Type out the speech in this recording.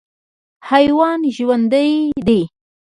حیوان ژوند دی.